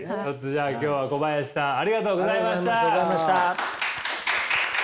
じゃあ今日は小林さんありがとうございました。